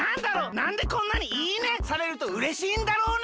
なんでこんなに「いいね」されるとうれしいんだろうね？